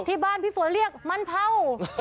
ที่บ้านพี่ฝนเรียกมันเผา